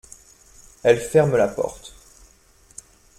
Elle ferme la porte.